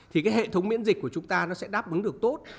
thì cái hệ thống miễn dịch của chúng ta nó sẽ đáp ứng được tốt